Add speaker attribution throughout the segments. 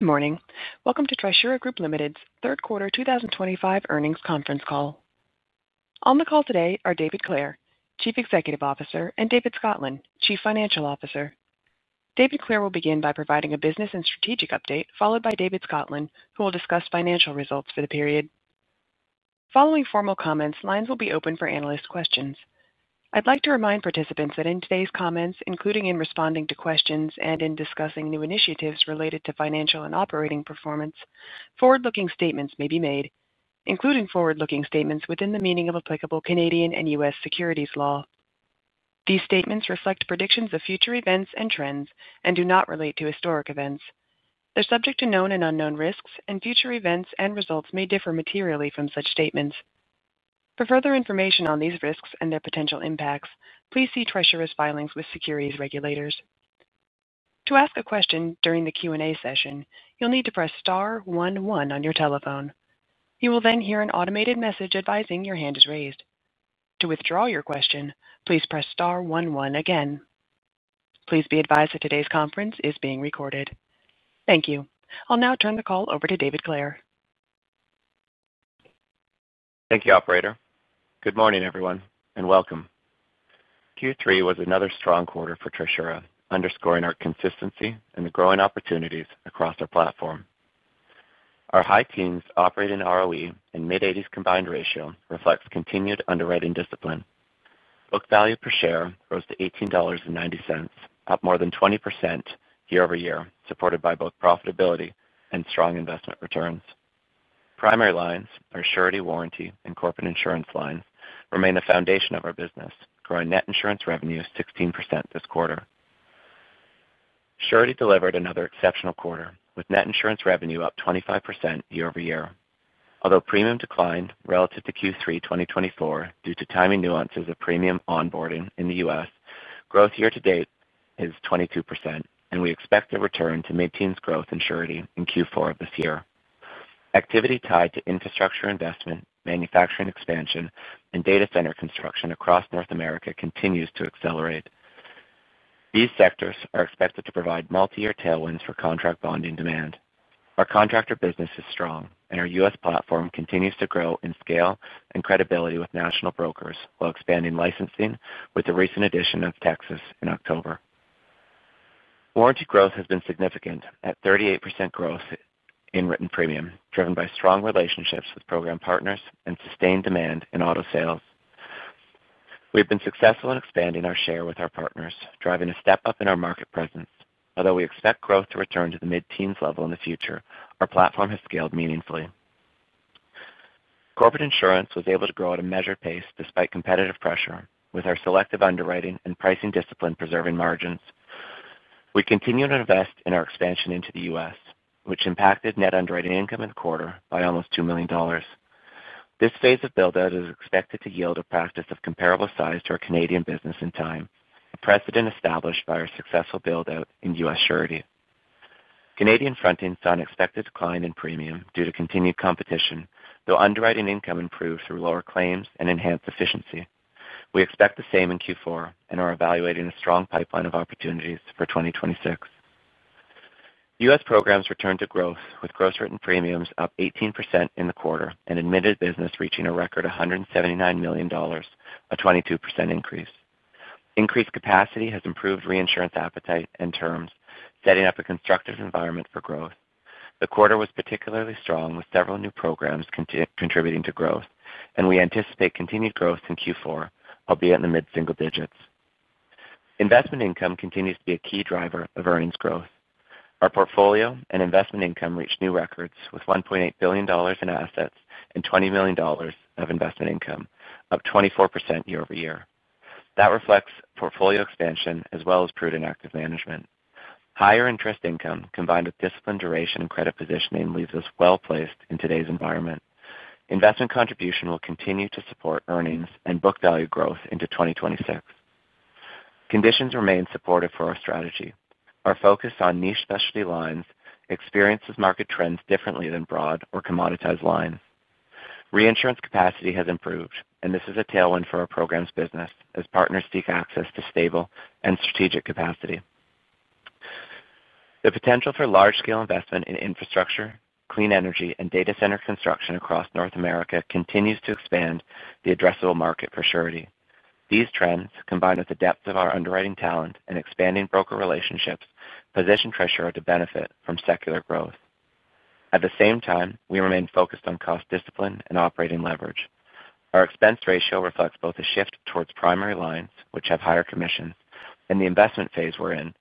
Speaker 1: Good morning. Welcome to Trisura Group Limited's third quarter 2025 earnings conference call. On the call today are David Clare, Chief Executive Officer, and David Scotland, Chief Financial Officer. David Clare will begin by providing a business and strategic update, followed by David Scotland, who will discuss financial results for the period. Following formal comments, lines will be open for analyst questions. I'd like to remind participants that in today's comments, including in responding to questions and in discussing new initiatives related to financial and operating performance, forward-looking statements may be made, including forward-looking statements within the meaning of applicable Canadian and U.S. securities law. These statements reflect predictions of future events and trends and do not relate to historic events. They're subject to known and unknown risks, and future events and results may differ materially from such statements. For further information on these risks and their potential impacts, please see Trisura's filings with securities regulators. To ask a question during the Q&A session, you'll need to press star one one on your telephone. You will then hear an automated message advising your hand is raised. To withdraw your question, please press star one one again. Please be advised that today's conference is being recorded. Thank you. I'll now turn the call over to David Clare.
Speaker 2: Thank you, Operator. Good morning, everyone, and welcome. Q3 was another strong quarter for Trisura, underscoring our consistency and the growing opportunities across our platform. Our high teams operate in ROE and mid-80s combined ratio reflects continued underwriting discipline. Book value per share rose to 18.90 dollars, up more than 20% year-over-year, supported by both profitability and strong investment returns. Primary lines, our surety, warranty, and corporate insurance lines, remain the foundation of our business, growing net insurance revenue 16% this quarter. Surety delivered another exceptional quarter, with net insurance revenue up 25% year-over-year. Although premium declined relative to Q3 2023 due to timing nuances of premium onboarding in the U.S., growth year to date is 22%, and we expect the return to maintain growth in surety in Q4 of this year. Activity tied to infrastructure investment, manufacturing expansion, and data center construction across North America continues to accelerate. These sectors are expected to provide multi-year tailwinds for contract bonding demand. Our contractor business is strong, and our U.S. platform continues to grow in scale and credibility with national brokers while expanding licensing with the recent addition of Texas in October. Warranty growth has been significant, at 38% growth in written premium, driven by strong relationships with program partners and sustained demand in auto sales. We've been successful in expanding our share with our partners, driving a step up in our market presence. Although we expect growth to return to the mid-teens level in the future, our platform has scaled meaningfully. Corporate insurance was able to grow at a measured pace despite competitive pressure, with our selective underwriting and pricing discipline preserving margins. We continued to invest in our expansion into the U.S., which impacted net underwriting income in the quarter by almost 2 million dollars. This phase of build-out is expected to yield a practice of comparable size to our Canadian business in time, a precedent established by our successful build-out in U.S. surety. Canadian front-end saw an expected decline in premium due to continued competition, though underwriting income improved through lower claims and enhanced efficiency. We expect the same in Q4 and are evaluating a strong pipeline of opportunities for 2026. U.S. programs returned to growth, with gross written premiums up 18% in the quarter and admitted business reaching a record 179 million dollars, a 22% increase. Increased capacity has improved reinsurance appetite and terms, setting up a constructive environment for growth. The quarter was particularly strong, with several new programs contributing to growth, and we anticipate continued growth in Q4, albeit in the mid-single digits. Investment income continues to be a key driver of earnings growth. Our portfolio and investment income reached new records, with 1.8 billion dollars in assets and 20 million dollars of investment income, up 24% year-over-year. That reflects portfolio expansion as well as prudent active management. Higher interest income, combined with disciplined duration and credit positioning, leaves us well placed in today's environment. Investment contribution will continue to support earnings and book value growth into 2026. Conditions remain supportive for our strategy. Our focus on niche specialty lines experiences market trends differently than broad or commoditized lines. Reinsurance capacity has improved, and this is a tailwind for our programs business as partners seek access to stable and strategic capacity. The potential for large-scale investment in infrastructure, clean energy, and data center construction across North America continues to expand the addressable market for surety. These trends, combined with the depth of our underwriting talent and expanding broker relationships, position Trisura to benefit from secular growth. At the same time, we remain focused on cost discipline and operating leverage. Our expense ratio reflects both a shift towards primary lines, which have higher commissions, and the investment phase we're in.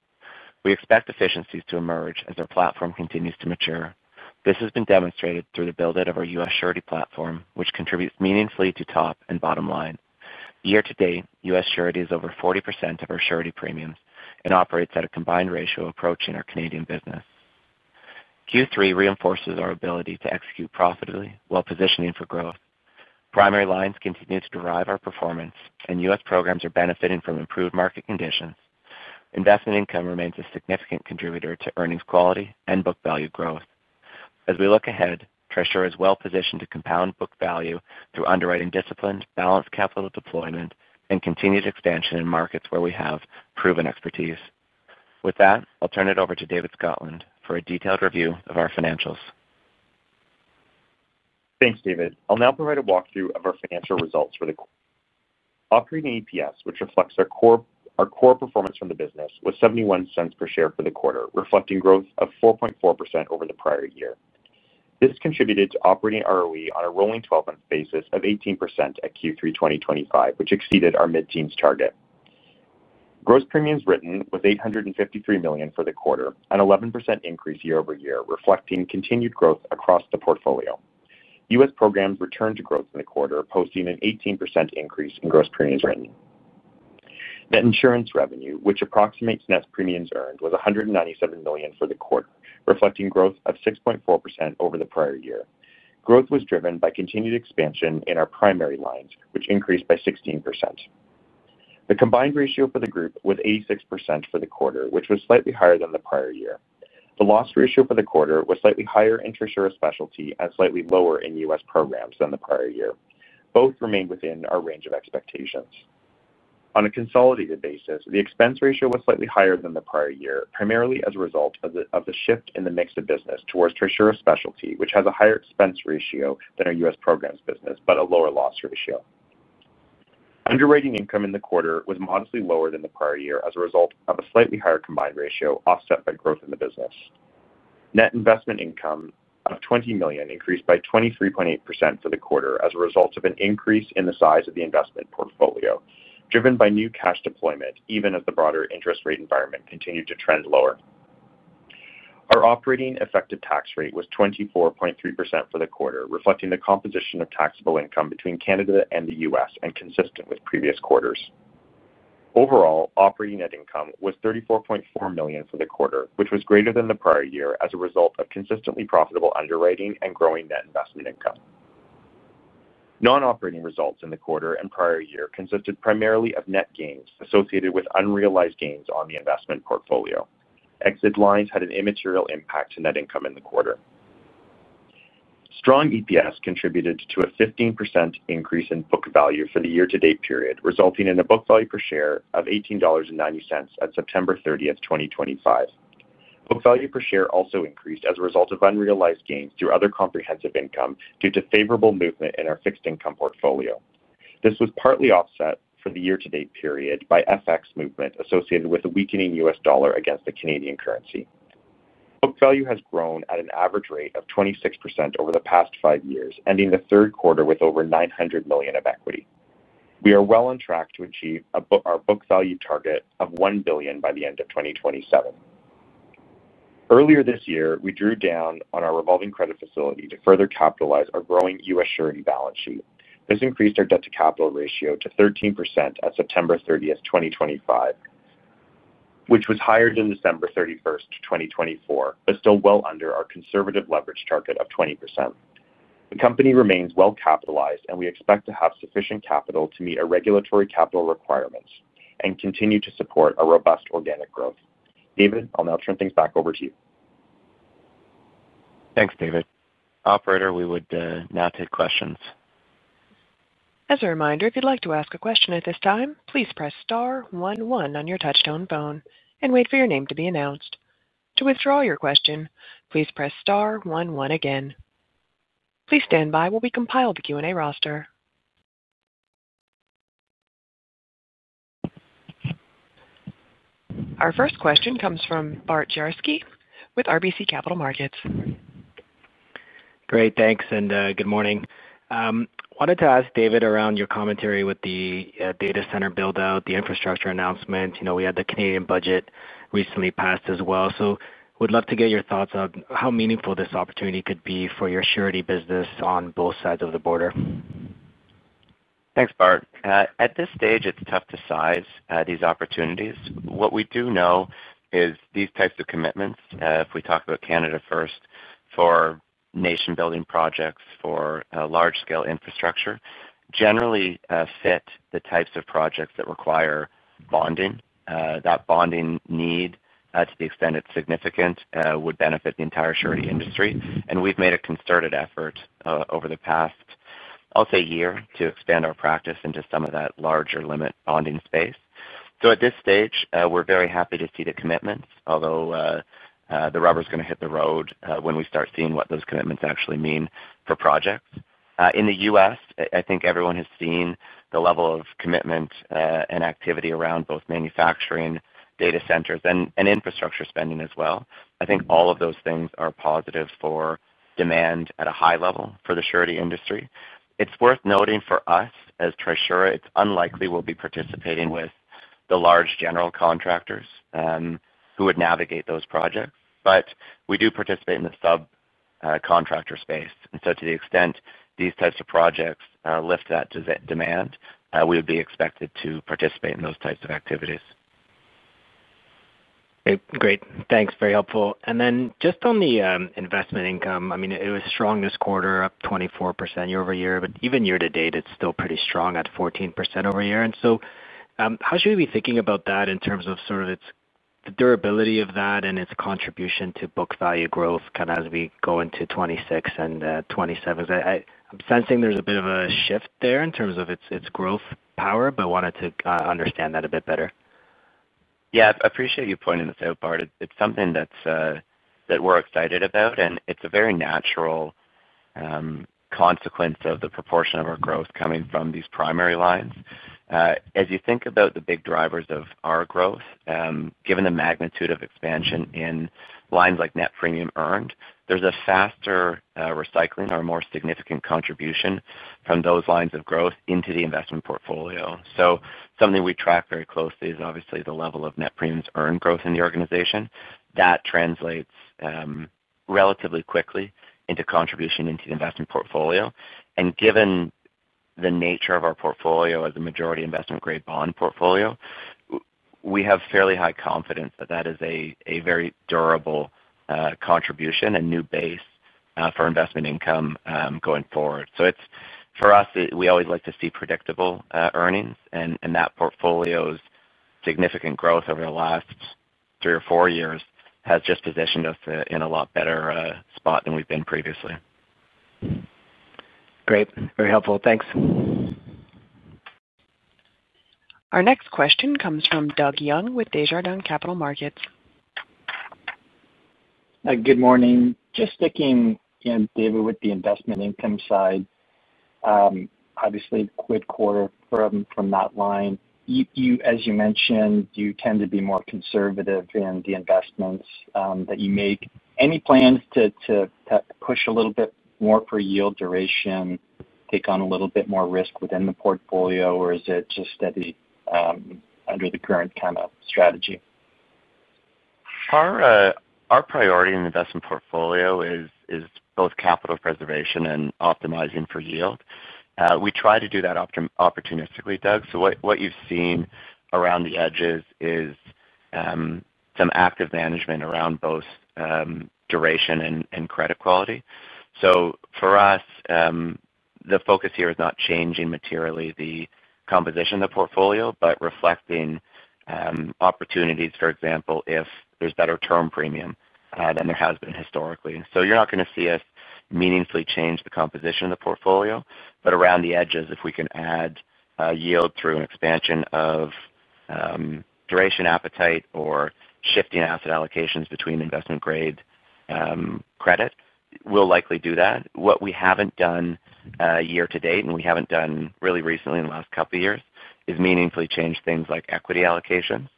Speaker 2: We expect efficiencies to emerge as our platform continues to mature. This has been demonstrated through the build-out of our U.S. surety platform, which contributes meaningfully to top and bottom line. Year to date, U.S. surety is over 40% of our surety premiums and operates at a combined ratio approach in our Canadian business. Q3 reinforces our ability to execute profitably while positioning for growth. Primary lines continue to drive our performance, and U.S. programs are benefiting from improved market conditions. Investment income remains a significant contributor to earnings quality and book value growth. As we look ahead, Trisura is well positioned to compound book value through underwriting discipline, balanced capital deployment, and continued expansion in markets where we have proven expertise. With that, I'll turn it over to David Scotland for a detailed review of our financials.
Speaker 3: Thanks, David. I'll now provide a walkthrough of our financial results for the quarter. Operating EPS, which reflects our core performance from the business, was 0.71 per share for the quarter, reflecting growth of 4.4% over the prior year. This contributed to operating ROE on a rolling 12-month basis of 18% at Q3 2025, which exceeded our mid-teens target. Gross premiums written was 853 million for the quarter, an 11% increase year-over-year, reflecting continued growth across the portfolio. U.S. programs returned to growth in the quarter, posting an 18% increase in gross premiums written. Net insurance revenue, which approximates net premiums earned, was 197 million for the quarter, reflecting growth of 6.4% over the prior year. Growth was driven by continued expansion in our primary lines, which increased by 16%. The combined ratio for the group was 86% for the quarter, which was slightly higher than the prior year. The loss ratio for the quarter was slightly higher in Trisura Specialty and slightly lower in U.S. programs than the prior year. Both remained within our range of expectations. On a consolidated basis, the expense ratio was slightly higher than the prior year, primarily as a result of the shift in the mix of business towards Trisura Specialty, which has a higher expense ratio than our U.S. programs business but a lower loss ratio. Underwriting income in the quarter was modestly lower than the prior year as a result of a slightly higher combined ratio, offset by growth in the business. Net investment income of 20 million increased by 23.8% for the quarter as a result of an increase in the size of the investment portfolio, driven by new cash deployment, even as the broader interest rate environment continued to trend lower. Our operating effective tax rate was 24.3% for the quarter, reflecting the composition of taxable income between Canada and the U.S. and consistent with previous quarters. Overall, operating net income was 34.4 million for the quarter, which was greater than the prior year as a result of consistently profitable underwriting and growing net investment income. Non-operating results in the quarter and prior year consisted primarily of net gains associated with unrealized gains on the investment portfolio. Exit lines had an immaterial impact to net income in the quarter. Strong EPS contributed to a 15% increase in book value for the year-to-date period, resulting in a book value per share of 18.90 dollars at September 30, 2025. Book value per share also increased as a result of unrealized gains through other comprehensive income due to favorable movement in our fixed income portfolio. This was partly offset for the year-to-date period by FX movement associated with a weakening U.S. dollar against the Canadian currency. Book value has grown at an average rate of 26% over the past five years, ending the third quarter with over 900 million of equity. We are well on track to achieve our book value target of 1 billion by the end of 2027. Earlier this year, we drew down on our revolving credit facility to further capitalize our growing U.S. surety balance sheet. This increased our debt-to-capital ratio to 13% at September 30, 2025, which was higher than December 31, 2024, but still well under our conservative leverage target of 20%. The company remains well capitalized, and we expect to have sufficient capital to meet our regulatory capital requirements and continue to support our robust organic growth. David, I'll now turn things back over to you.
Speaker 2: Thanks, David. Operator, we would now take questions.
Speaker 1: As a reminder, if you'd like to ask a question at this time, please press star one one on your touchstone phone and wait for your name to be announced. To withdraw your question, please press star one one again. Please stand by while we compile the Q&A roster. Our first question comes from Bart Dziarski with RBC Capital Markets.
Speaker 4: Great. Thanks, and good morning. I wanted to ask David around your commentary with the data center build-out, the infrastructure announcement. We had the Canadian budget recently passed as well. Would love to get your thoughts on how meaningful this opportunity could be for your surety business on both sides of the border.
Speaker 2: Thanks, Bart. At this stage, it's tough to size these opportunities. What we do know is these types of commitments, if we talk about Canada first, for nation-building projects, for large-scale infrastructure, generally fit the types of projects that require bonding. That bonding need, to the extent it's significant, would benefit the entire surety industry. We've made a concerted effort over the past year to expand our practice into some of that larger limit bonding space. At this stage, we're very happy to see the commitments, although the rubber's going to hit the road when we start seeing what those commitments actually mean for projects. In the U.S., I think everyone has seen the level of commitment and activity around both manufacturing, data centers, and infrastructure spending as well. I think all of those things are positive for demand at a high level for the surety industry. It's worth noting for us as Trisura, it's unlikely we'll be participating with the large general contractors who would navigate those projects. We do participate in the subcontractor space. To the extent these types of projects lift that demand, we would be expected to participate in those types of activities.
Speaker 4: Great. Thanks. Very helpful. Just on the investment income, I mean, it was strong this quarter, up 24% year-over-year, but even year to date, it's still pretty strong at 14% over year. How should we be thinking about that in terms of sort of the durability of that and its contribution to book value growth kind of as we go into 2026 and 2027? I'm sensing there's a bit of a shift there in terms of its growth power, but wanted to understand that a bit better.
Speaker 2: Yeah. I appreciate you pointing this out, Bart. It's something that we're excited about, and it's a very natural consequence of the proportion of our growth coming from these primary lines. As you think about the big drivers of our growth, given the magnitude of expansion in lines like net premium earned, there's a faster recycling or more significant contribution from those lines of growth into the investment portfolio. Something we track very closely is obviously the level of net premiums earned growth in the organization. That translates relatively quickly into contribution into the investment portfolio. Given the nature of our portfolio as a majority investment-grade bond portfolio, we have fairly high confidence that that is a very durable contribution and new base for investment income going forward. For us, we always like to see predictable earnings, and that portfolio's significant growth over the last three or four years has just positioned us in a lot better spot than we've been previously.
Speaker 4: Great. Very helpful. Thanks.
Speaker 1: Our next question comes from Doug Young with Desjardins Capital Markets.
Speaker 5: Good morning. Just sticking, David, with the investment income side. Obviously, quid pro quo from that line. As you mentioned, you tend to be more conservative in the investments that you make. Any plans to push a little bit more for yield duration, take on a little bit more risk within the portfolio, or is it just steady under the current kind of strategy?
Speaker 2: Our priority in the investment portfolio is both capital preservation and optimizing for yield. We try to do that opportunistically, Doug. What you have seen around the edges is some active management around both duration and credit quality. For us, the focus here is not changing materially the composition of the portfolio, but reflecting opportunities, for example, if there is better term premium than there has been historically. You are not going to see us meaningfully change the composition of the portfolio, but around the edges, if we can add yield through an expansion of duration appetite or shifting asset allocations between investment-grade credit, we will likely do that. What we have not done year to date, and we have not done really recently in the last couple of years, is meaningfully change things like equity allocations.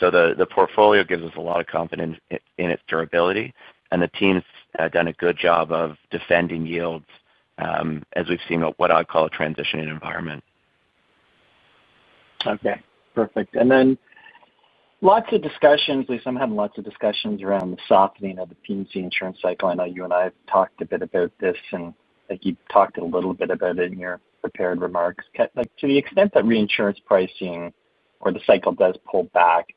Speaker 2: The portfolio gives us a lot of confidence in its durability, and the team's done a good job of defending yields as we've seen what I'd call a transitioning environment.
Speaker 5: Okay. Perfect. Lots of discussions. We've been having lots of discussions around the softening of the P&C insurance cycle. I know you and I have talked a bit about this, and you've talked a little bit about it in your prepared remarks. To the extent that reinsurance pricing or the cycle does pull back,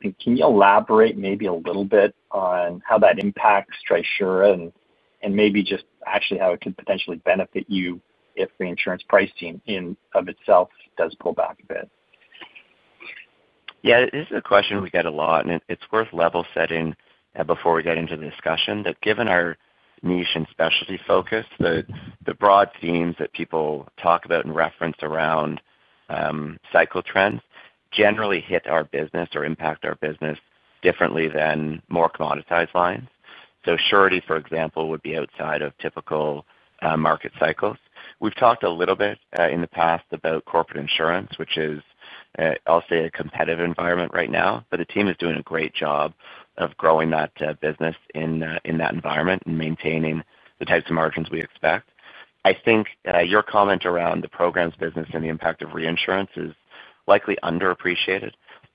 Speaker 5: can you elaborate maybe a little bit on how that impacts Trisura and maybe just actually how it could potentially benefit you if reinsurance pricing in of itself does pull back a bit?
Speaker 2: Yeah. This is a question we get a lot, and it's worth level-setting before we get into the discussion that given our niche and specialty focus, the broad themes that people talk about and reference around cycle trends generally hit our business or impact our business differently than more commoditized lines. So surety, for example, would be outside of typical market cycles. We've talked a little bit in the past about corporate insurance, which is, I'll say, a competitive environment right now, but the team is doing a great job of growing that business in that environment and maintaining the types of margins we expect. I think your comment around the programs business and the impact of reinsurance is likely underappreciated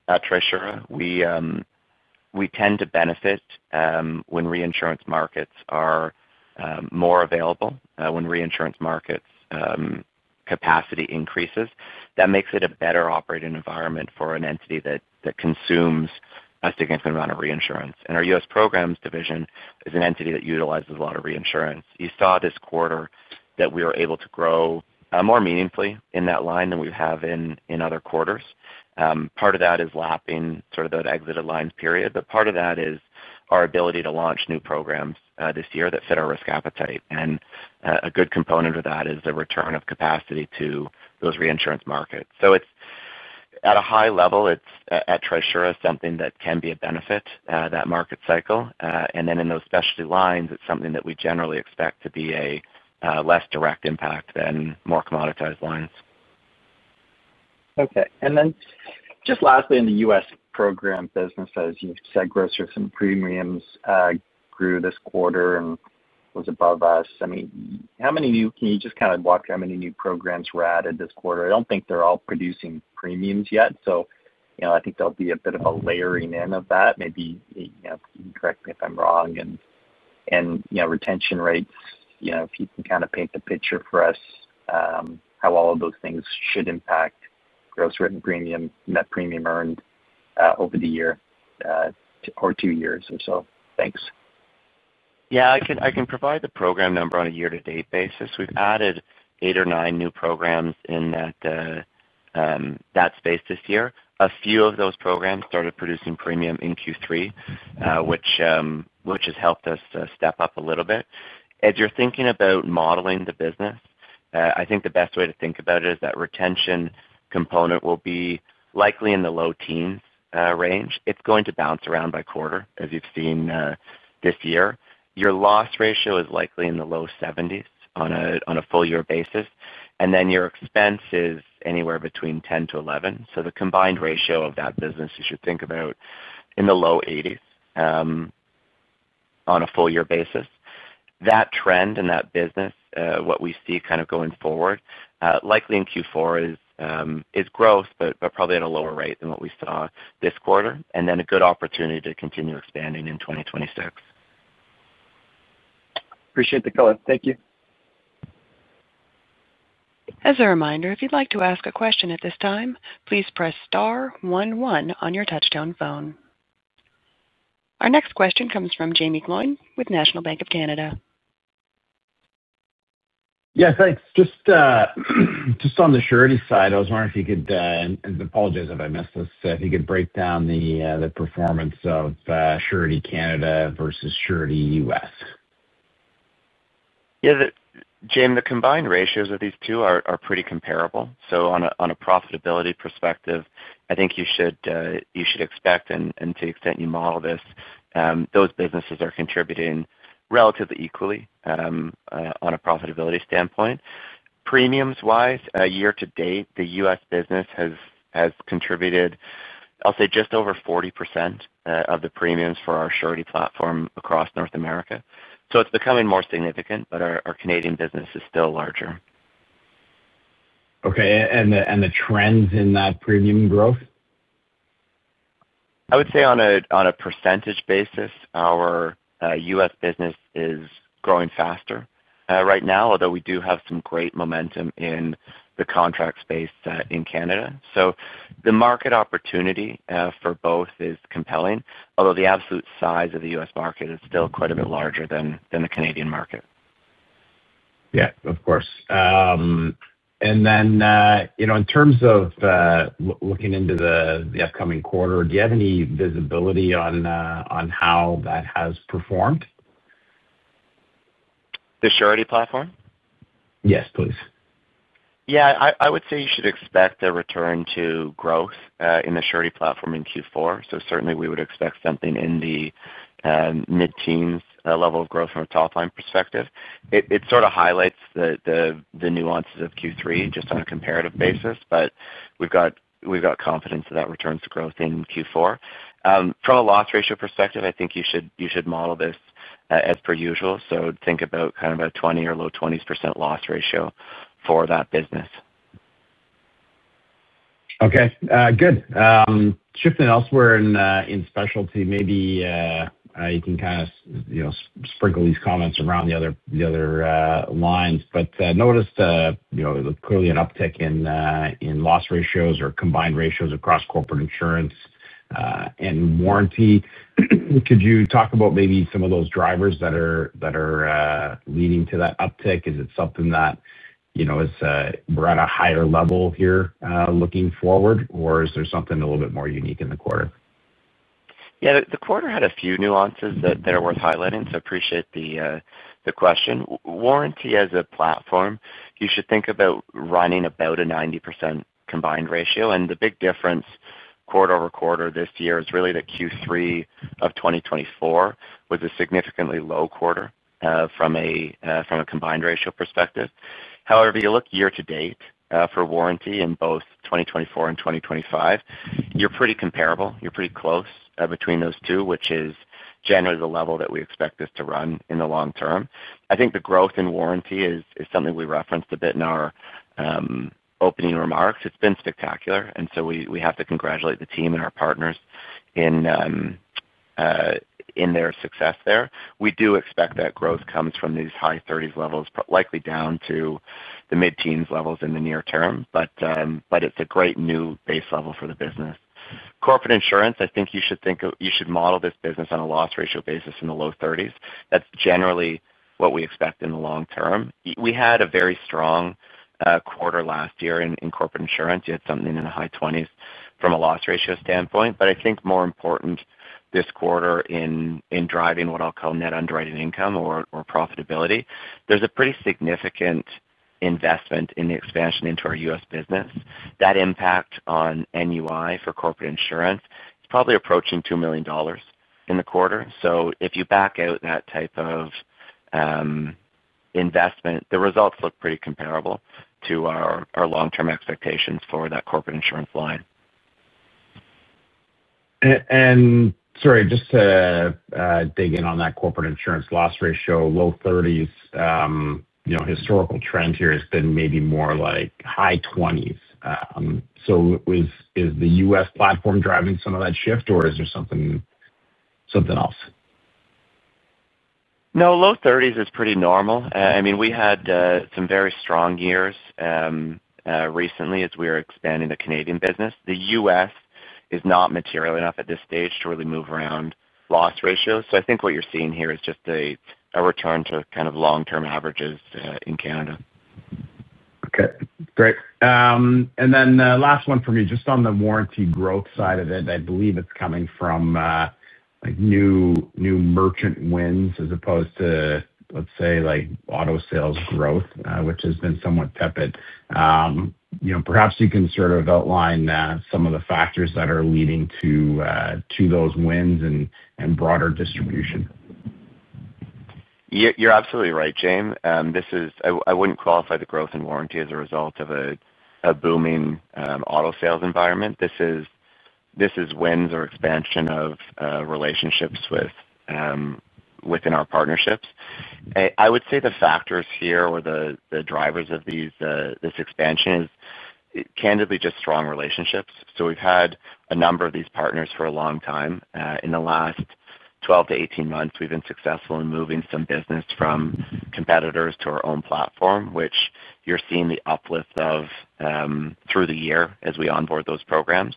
Speaker 2: at Trisura. We tend to benefit when reinsurance markets are more available, when reinsurance markets' capacity increases. That makes it a better operating environment for an entity that consumes a significant amount of reinsurance. Our U.S. programs division is an entity that utilizes a lot of reinsurance. You saw this quarter that we were able to grow more meaningfully in that line than we have in other quarters. Part of that is lapping sort of that exited lines period, but part of that is our ability to launch new programs this year that fit our risk appetite. A good component of that is the return of capacity to those reinsurance markets. At a high level, at Trisura, something that can be a benefit, that market cycle. In those specialty lines, it is something that we generally expect to be a less direct impact than more commoditized lines.
Speaker 5: Okay. And then just lastly, in the U.S. program business, as you said, gross recent premiums grew this quarter and was above us. I mean, how many new—can you just kind of walk through how many new programs were added this quarter? I do not think they are all producing premiums yet. I think there will be a bit of a layering in of that. Maybe you can correct me if I am wrong. Retention rates, if you can kind of paint the picture for us, how all of those things should impact gross revenue premium, net premium earned over the year or two years or so. Thanks.
Speaker 2: Yeah. I can provide the program number on a year-to-date basis. We've added eight or nine new programs in that space this year. A few of those programs started producing premium in Q3, which has helped us step up a little bit. As you're thinking about modeling the business, I think the best way to think about it is that retention component will be likely in the low teens range. It's going to bounce around by quarter, as you've seen this year. Your loss ratio is likely in the low-70s on a full-year basis. Your expense is anywhere between 10-11. The combined ratio of that business, you should think about in the low-80s on a full-year basis. That trend in that business, what we see kind of going forward, likely in Q4 is growth, but probably at a lower rate than what we saw this quarter, and then a good opportunity to continue expanding in 2026.
Speaker 5: Appreciate the color. Thank you.
Speaker 1: As a reminder, if you'd like to ask a question at this time, please press star one one on your touchstone phone. Our next question comes from Jaeme Gloyn with National Bank of Canada.
Speaker 6: Yes. Thanks. Just on the surety side, I was wondering if you could—and apologies if I missed this—if you could break down the performance of Surety Canada versus Surety U.S.
Speaker 2: Yeah. Jaeme, the combined ratios of these two are pretty comparable. So on a profitability perspective, I think you should expect, and to the extent you model this, those businesses are contributing relatively equally on a profitability standpoint. Premiums-wise, year to date, the U.S. business has contributed, I'll say, just over 40% of the premiums for our surety platform across North America. So it's becoming more significant, but our Canadian business is still larger.
Speaker 6: Okay. The trends in that premium growth?
Speaker 2: I would say on a percentage basis, our U.S. business is growing faster right now, although we do have some great momentum in the contract space in Canada. The market opportunity for both is compelling, although the absolute size of the U.S. market is still quite a bit larger than the Canadian market.
Speaker 6: Yeah. Of course. In terms of looking into the upcoming quarter, do you have any visibility on how that has performed?
Speaker 2: The surety platform?
Speaker 6: Yes, please.
Speaker 2: Yeah. I would say you should expect a return to growth in the surety platform in Q4. Certainly, we would expect something in the mid-teens level of growth from a top-line perspective. It sort of highlights the nuances of Q3 just on a comparative basis, but we've got confidence that that returns to growth in Q4. From a loss ratio perspective, I think you should model this as per usual. Think about kind of a 20% or low-20s% loss ratio for that business.
Speaker 6: Okay. Good. Shifting elsewhere in specialty, maybe you can kind of sprinkle these comments around the other lines. Noticed clearly an uptick in loss ratios or combined ratios across corporate insurance and warranty. Could you talk about maybe some of those drivers that are leading to that uptick? Is it something that we're at a higher level here looking forward, or is there something a little bit more unique in the quarter?
Speaker 2: Yeah. The quarter had a few nuances that are worth highlighting, so appreciate the question. Warranty as a platform, you should think about running about a 90% combined ratio. The big difference quarter over quarter this year is really that Q3 of 2024 was a significantly low quarter from a combined ratio perspective. However, if you look year to date for warranty in both 2024 and 2025, you are pretty comparable. You are pretty close between those two, which is generally the level that we expect this to run in the long term. I think the growth in warranty is something we referenced a bit in our opening remarks. It has been spectacular. We have to congratulate the team and our partners in their success there. We do expect that growth comes from these high-30s levels, likely down to the mid-teens levels in the near term, but it's a great new base level for the business. Corporate insurance, I think you should model this business on a loss ratio basis in the low-30s. That's generally what we expect in the long term. We had a very strong quarter last year in corporate insurance. You had something in the high-20s from a loss ratio standpoint. I think more important this quarter in driving what I'll call net underwriting income or profitability, there's a pretty significant investment in the expansion into our U.S. business. That impact on NUI for corporate insurance is probably approaching $2 million in the quarter. If you back out that type of investment, the results look pretty comparable to our long-term expectations for that corporate insurance line.
Speaker 6: Sorry, just to dig in on that corporate insurance loss ratio, low-30s, historical trend here has been maybe more like high-20s. Is the U.S. platform driving some of that shift, or is there something else?
Speaker 2: No. Low-30s is pretty normal. I mean, we had some very strong years recently as we were expanding the Canadian business. The U.S. is not material enough at this stage to really move around loss ratios. I think what you're seeing here is just a return to kind of long-term averages in Canada.
Speaker 6: Okay. Great. And then last one for me, just on the warranty growth side of it, I believe it's coming from new merchant wins as opposed to, let's say, auto sales growth, which has been somewhat tepid. Perhaps you can sort of outline some of the factors that are leading to those wins and broader distribution.
Speaker 2: You're absolutely right, Jaeme. I wouldn't qualify the growth in warranty as a result of a booming auto sales environment. This is wins or expansion of relationships within our partnerships. I would say the factors here or the drivers of this expansion is candidly just strong relationships. We've had a number of these partners for a long time. In the last 12-18 months, we've been successful in moving some business from competitors to our own platform, which you're seeing the uplift of through the year as we onboard those programs.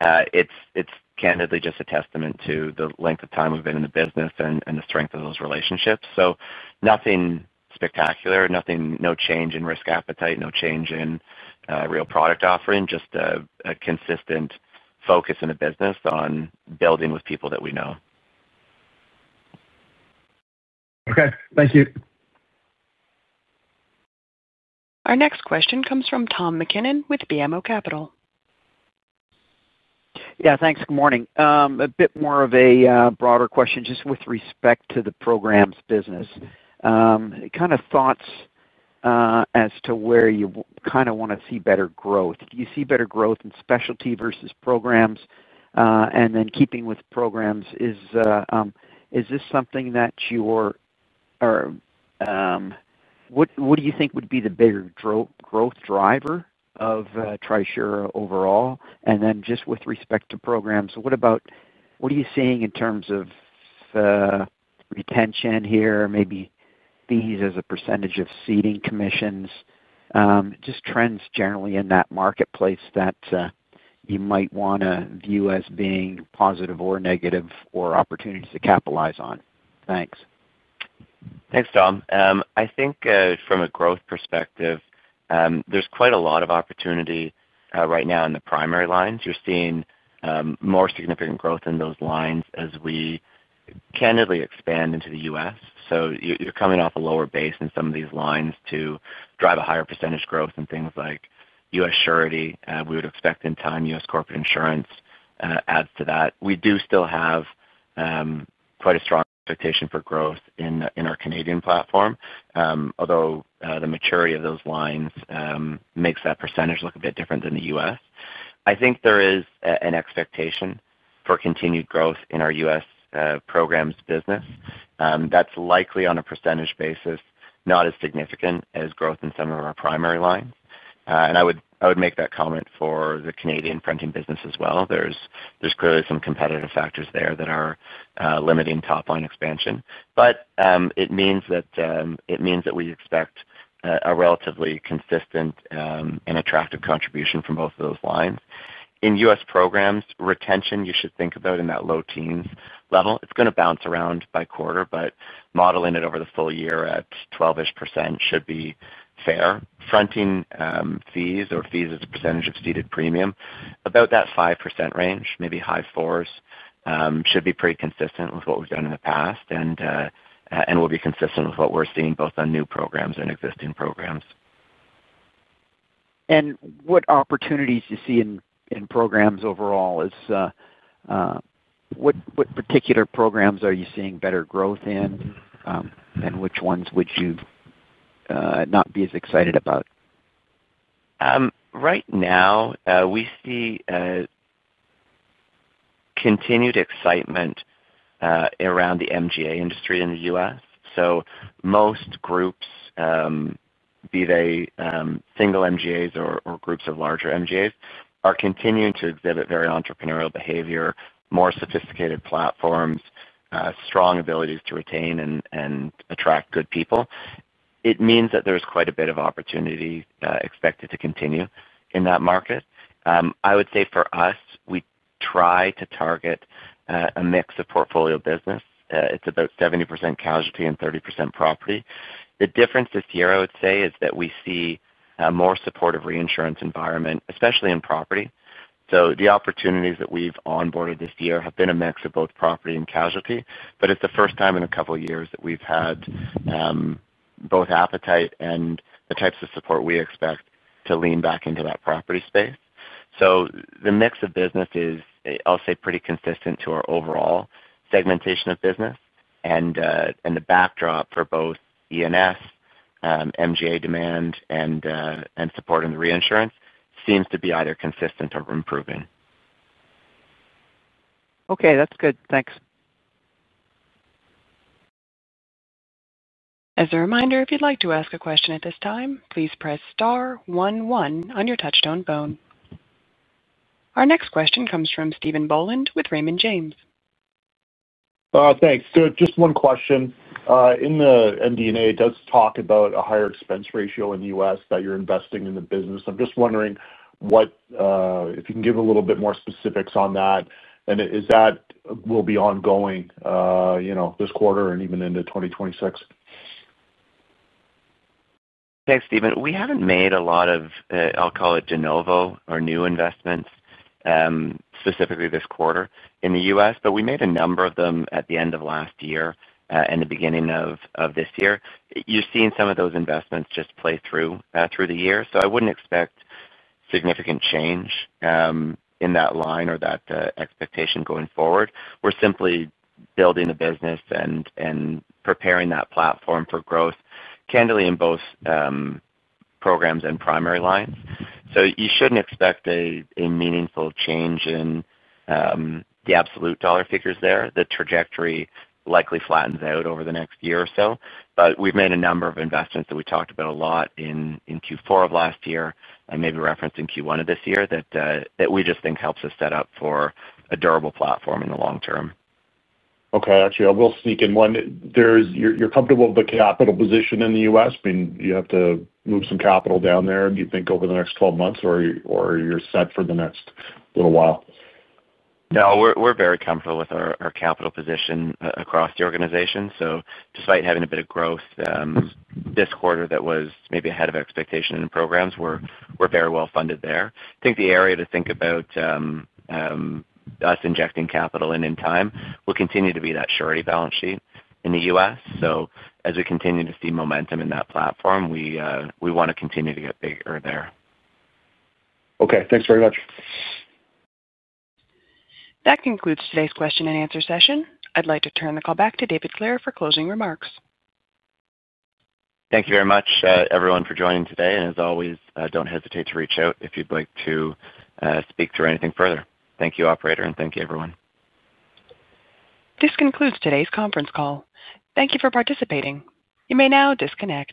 Speaker 2: It's candidly just a testament to the length of time we've been in the business and the strength of those relationships. Nothing spectacular, no change in risk appetite, no change in real product offering, just a consistent focus in the business on building with people that we know.
Speaker 6: Okay. Thank you.
Speaker 1: Our next question comes from Tom MacKinnon with BMO Capital.
Speaker 7: Yeah. Thanks. Good morning. A bit more of a broader question just with respect to the programs business. Kind of thoughts as to where you kind of want to see better growth. Do you see better growth in specialty versus programs? Keeping with programs, is this something that you are—what do you think would be the bigger growth driver of Trisura overall? Just with respect to programs, what are you seeing in terms of retention here, maybe fees as a percentage of ceding commissions, just trends generally in that marketplace that you might want to view as being positive or negative or opportunities to capitalize on? Thanks.
Speaker 2: Thanks, Tom. I think from a growth perspective, there's quite a lot of opportunity right now in the primary lines. You're seeing more significant growth in those lines as we candidly expand into the U.S. You're coming off a lower base in some of these lines to drive a higher percentage growth in things like U.S. surety. We would expect in time U.S. corporate insurance adds to that. We do still have quite a strong expectation for growth in our Canadian platform, although the maturity of those lines makes that percentage look a bit different than the U.S. I think there is an expectation for continued growth in our U.S. programs business. That's likely on a percentage basis, not as significant as growth in some of our primary lines. I would make that comment for the Canadian printing business as well. There's clearly some competitive factors there that are limiting top-line expansion. It means that we expect a relatively consistent and attractive contribution from both of those lines. In U.S. programs, retention you should think about in that low teens level. It's going to bounce around by quarter, but modeling it over the full year at 12% should be fair. Fronting fees or fees as a percentage of ceded premium, about that 5% range, maybe high 4%, should be pretty consistent with what we've done in the past and will be consistent with what we're seeing both on new programs and existing programs.
Speaker 7: What opportunities do you see in programs overall? What particular programs are you seeing better growth in, and which ones would you not be as excited about?
Speaker 2: Right now, we see continued excitement around the MGA industry in the U.S. Most groups, be they single MGAs or groups of larger MGAs, are continuing to exhibit very entrepreneurial behavior, more sophisticated platforms, strong abilities to retain and attract good people. It means that there is quite a bit of opportunity expected to continue in that market. I would say for us, we try to target a mix of portfolio business. It is about 70% casualty and 30% property. The difference this year, I would say, is that we see a more supportive reinsurance environment, especially in property. The opportunities that we have onboarded this year have been a mix of both property and casualty, but it is the first time in a couple of years that we have had both appetite and the types of support we expect to lean back into that property space. The mix of business is, I'll say, pretty consistent to our overall segmentation of business. The backdrop for both E&S, MGA demand, and support in the reinsurance seems to be either consistent or improving.
Speaker 7: Okay. That's good. Thanks.
Speaker 1: As a reminder, if you'd like to ask a question at this time, please press star one one on your touchstone phone. Our next question comes from Stephen Boland with Raymond James.
Speaker 8: Thanks. Just one question. In the MD&A, it does talk about a higher expense ratio in the U.S. that you're investing in the business. I'm just wondering if you can give a little bit more specifics on that, and is that will be ongoing this quarter and even into 2026?
Speaker 2: Thanks, Stephen. We have not made a lot of, I'll call it de novo or new investments specifically this quarter in the U.S., but we made a number of them at the end of last year and the beginning of this year. You're seeing some of those investments just play through the year. I would not expect significant change in that line or that expectation going forward. We are simply building the business and preparing that platform for growth, candidly in both programs and primary lines. You should not expect a meaningful change in the absolute dollar figures there. The trajectory likely flattens out over the next year or so. We have made a number of investments that we talked about a lot in Q4 of last year and maybe referencing Q1 of this year that we just think helps us set up for a durable platform in the long term.
Speaker 8: Okay. Actually, I will sneak in one. You're comfortable with the capital position in the U.S.? You have to move some capital down there, do you think, over the next 12 months, or you're set for the next little while?
Speaker 2: No. We're very comfortable with our capital position across the organization. Despite having a bit of growth this quarter that was maybe ahead of expectation in programs, we're very well funded there. I think the area to think about us injecting capital in in time will continue to be that surety balance sheet in the U.S. As we continue to see momentum in that platform, we want to continue to get bigger there.
Speaker 8: Okay. Thanks very much.
Speaker 1: That concludes today's question-and-answer session. I'd like to turn the call back to David Clare for closing remarks.
Speaker 2: Thank you very much, everyone, for joining today. As always, do not hesitate to reach out if you would like to speak through anything further. Thank you, operator, and thank you, everyone.
Speaker 1: This concludes today's conference call. Thank you for participating. You may now disconnect.